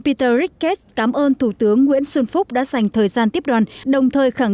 peter ricket cảm ơn thủ tướng nguyễn xuân phúc đã dành thời gian tiếp đoàn đồng thời khẳng